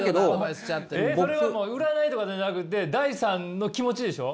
それはもう占いとかじゃなくてダイさんの気持ちでしょ？